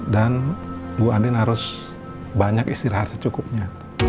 dan bu andien harus banyak istirahat secukupnya